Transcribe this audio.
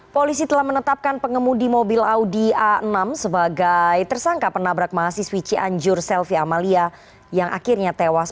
polisi telah menetapkan pengemudi mobil audi a enam sebagai tersangka penabrak mahasiswi cianjur selvi amalia yang akhirnya tewas